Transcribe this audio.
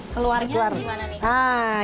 keluarnya gimana nih